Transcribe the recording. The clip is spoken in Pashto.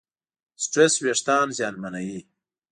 سټرېس وېښتيان زیانمنوي.